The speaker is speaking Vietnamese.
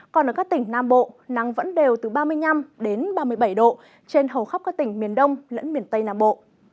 còn ở các tỉnh nam bộ nắng vẫn đều từ ba mươi năm đến ba mươi bảy độ trên hầu khắp các tỉnh miền đông lẫn miền tây nam bộ